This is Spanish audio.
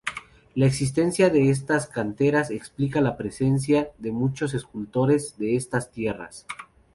La existencia de estas canteras explica la presencia de muchos escultores en estas tierras.